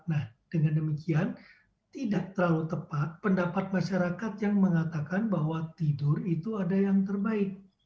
nah dengan demikian tidak terlalu tepat pendapat masyarakat yang mengatakan bahwa tidur itu ada yang terbaik